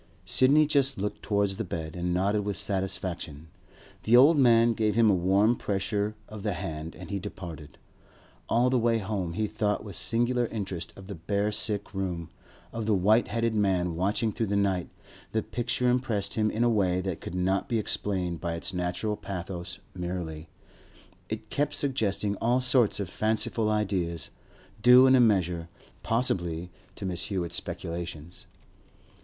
Sidney just looked towards the bed, and nodded with satisfaction. The old man gave him a warm pressure of the hand, and he departed. All the way home, he thought with singular interest of the bare sick room, of the white headed man watching through the night; the picture impressed him in a way that could not be explained by its natural pathos merely; it kept suggesting all sorts of fanciful ideas, due in a measure, possibly, to Mrs. Hewett's speculations.